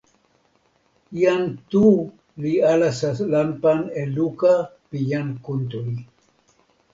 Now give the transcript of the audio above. jan Tu li alasa lanpan e luka pi jan Kuntuli.